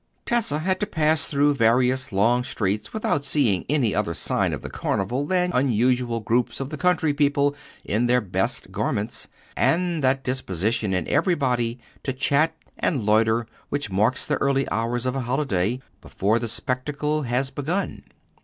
Tessa had to pass through various long streets without seeing any other sign of the Carnival than unusual groups of the country people in their best garments, and that disposition in everybody to chat and loiter which marks the early hours of a holiday, before the spectacle has begun.